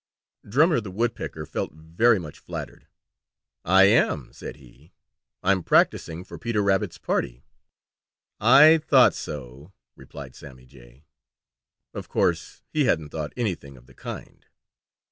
Drummer the Woodpecker felt very much flattered. "I am," said he. "I'm practising for Peter Rabbit's party." "I thought so," replied Sammy Jay. Of course he hadn't thought anything of the kind.